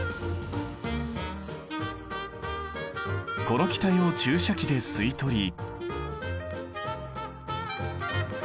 この気体を注射器で吸い取り。